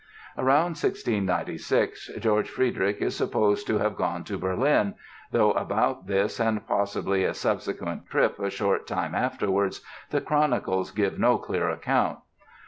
Around 1696 George Frideric is supposed to have gone to Berlin, though about this and possibly a subsequent trip a short time afterwards the chronicles give no clear account.